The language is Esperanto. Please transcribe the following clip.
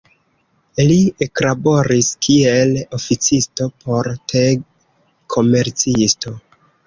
Li eklaboris kiel oficisto por te-komercisto.